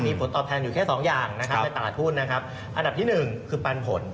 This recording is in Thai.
มีผลตอบแทนอยู่แค่สองอย่างนะครับในตลาดหุ้นนะครับอันดับที่หนึ่งคือปันผล